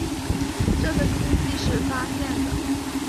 这个星系是发现的。